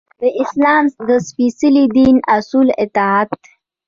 د اسلام د سپیڅلي دین اصولو اطاعت.